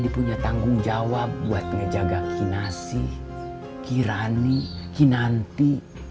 dia punya tanggung jawab buat ngejaga kinasi kirani kinanti